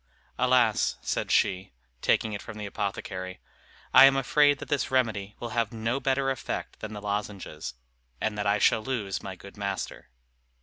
"Alas!" said she, taking it from the apothecary, "I am afraid that this remedy will have no better effect than the lozenges; and that I shall lose my good master."